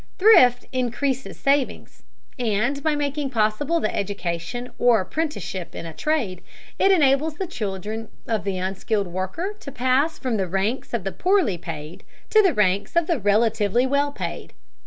Thrift increases savings, and by making possible education or apprenticeship in a trade, it enables the children of the unskilled worker to pass from the ranks of the poorly paid to the ranks of the relatively well paid.